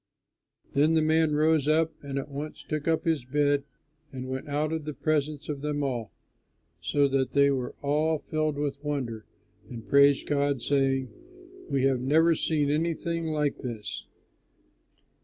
Then the man rose and at once took up his bed and went out in the presence of them all, so that they were all filled with wonder and praised God, saying, "We have never seen anything like this."